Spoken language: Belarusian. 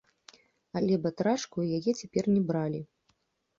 Але батрачкаю яе цяпер не бралі.